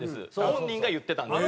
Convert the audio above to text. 本人が言ってたんで。